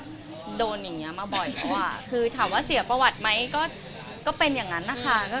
ก็โดนอย่างนี้มาบ่อยเพราะว่าคือถามว่าเสียประวัติไหมก็เป็นอย่างนั้นนะคะ